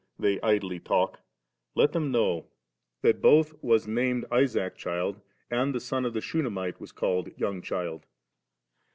they idly talk, let them know that both Isaac was named Abraham's child, and the son of the Shunamite was called young child.)